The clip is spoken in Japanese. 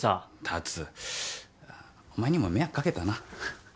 竜お前にも迷惑かけたなははっ。